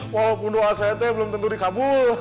walaupun doa sayat belum tentu dikabul